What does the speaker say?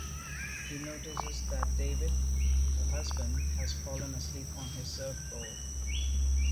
He notices that David, her husband, has fallen asleep on his surfboard.